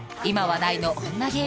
今話題の女